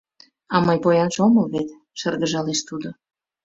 — А мый поянже омыл вет, — шыргыжалеш тудо.